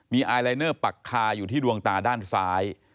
มีไอลายเนอร์ปักคาอยู่ที่ดวงตาด้านซ้าย